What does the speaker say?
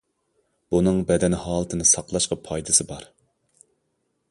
بۇنىڭ بەدەن ھالىتىنى ساقلاشقا پايدىسى بار.